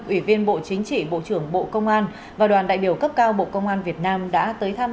ủy viên bộ chính trị bộ trưởng bộ công an và đoàn đại biểu cấp cao bộ công an việt nam đã tới thăm